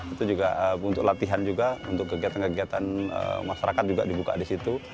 itu juga untuk latihan juga untuk kegiatan kegiatan masyarakat juga dibuka di situ